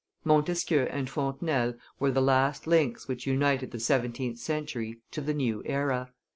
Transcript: Montesquieu and Fontenelle were the last links which united the seventeenth century to the new era.